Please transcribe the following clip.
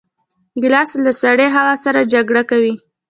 ګیلاس له سړې هوا سره جګړه کوي.